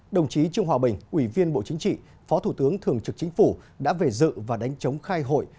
đồng chí trương hòa bình ủy viên bộ chính trị phó thủ tướng thường trực chính phủ đã về dự và đánh chống khai hội